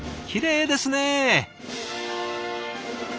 きれいですね！